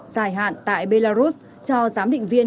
dài hạn tại belarus cho giám định viên